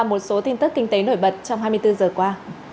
một số tin tức kinh tế nổi bật trong hai mươi bốn giờ qua